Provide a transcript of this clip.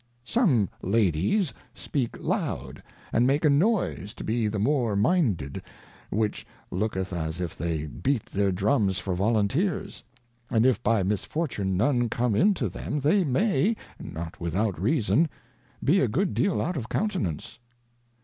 Some La dies s peak_ loud and make a noise to be the more minded, which looketh as if they beat their iDrums for Volunteers, and if by misfortune none come in to them, they may, not without reason, be a good deal out of Countenance.